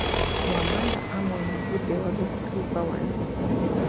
Wamala Amon nvudde wala okutuuka wano.